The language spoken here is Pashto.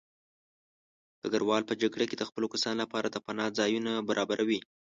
ډګروال په جګړه کې د خپلو کسانو لپاره د پناه ځایونه برابروي.